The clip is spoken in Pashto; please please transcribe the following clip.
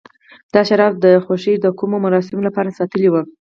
دا شراب د خوښۍ د کومو مراسمو لپاره ساتلي و.